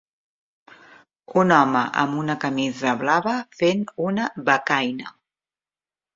Un home amb una camisa blava fent una becaina.